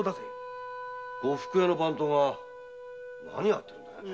呉服屋の番頭が何やってんだい？